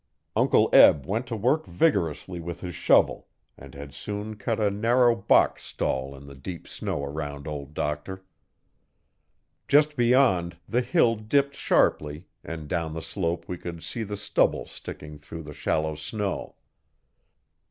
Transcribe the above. Uncle Eb went to work vigorously with his shovel and had soon cut a narrow box stall in the deep snow around Old Doctor. Just beyond the hill dipped sharply and down the slope we could see the stubble sticking through the shallow snow.